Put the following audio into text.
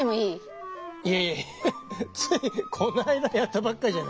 いやいやついこの間やったばっかじゃない。